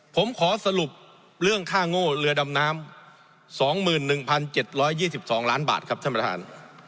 ผมขอสรุปเรื่องค่าโง่เรือดำน้ำ๒๑๗๒๒ล้านบาทครับท่านประธาน